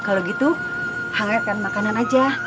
kalau gitu hangatkan makanan aja